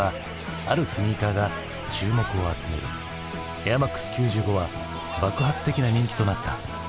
「エアマックス９５」は爆発的な人気となった。